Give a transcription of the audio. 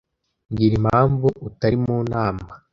Mbwira impamvu utari mu nama